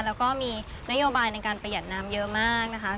แล้วก็มีนโยบายในการประหยัดน้ำเยอะมากนะคะ